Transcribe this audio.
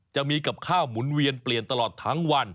จะมีกับข้าวหมุนเวียนเปลี่ยนตลอดทั้งวัน